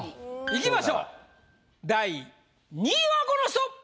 いきましょう第２位はこの人！